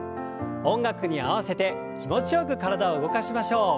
音楽に合わせて気持ちよく体を動かしましょう。